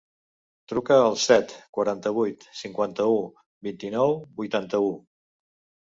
Truca al set, quaranta-vuit, cinquanta-u, vint-i-nou, vuitanta-u.